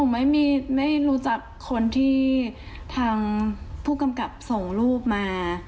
ไม่รู้จักคนที่ทางผู้กำกับส่งรูปมา